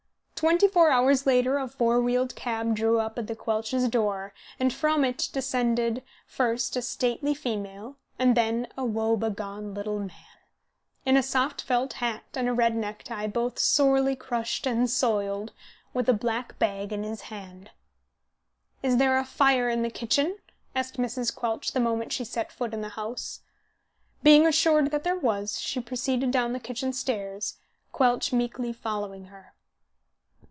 Twenty four hours later a four wheeled cab drew up at the Quelchs' door, and from it descended, first a stately female, and then a woe begone little man, in a soft felt hat and a red necktie, both sorely crushed and soiled, with a black bag in his hand. "Is there a fire in the kitchen?" asked Mrs. Quelch the moment she set foot in the house. Being assured that there was, she proceeded down the kitchen stairs, Quelch meekly following her.